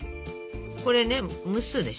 これね蒸すでしょ